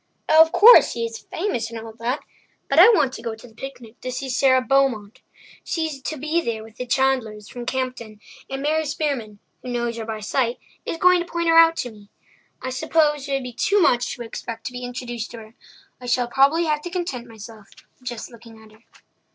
Oh, of course, he is famous and all that! But I want to go to the picnic to see Sara Beaumont. She's to be there with the Chandlers from Campden, and Mary Spearman, who knows her by sight, is going to point her out to me. I suppose it would be too much to expect to be introduced to her. I shall probably have to content myself with just looking at her."